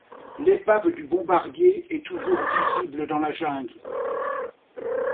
L'épave du bombardier est toujours visible dans la jungle.